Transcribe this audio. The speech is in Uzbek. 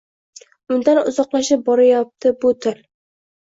Undan uzoqlashib borayotibdi bu til.